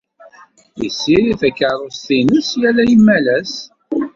Yessirid takeṛṛust-nnes yal imalas.